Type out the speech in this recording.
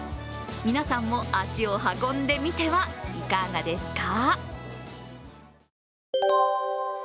皆さんも足を運んでみてはいかがですか？